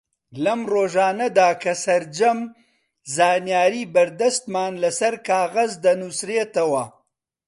لەم ڕۆژانەدا کە سەرجەم زانیاری بەردەستمان لەسەر کاغەز دەنووسرێنەوە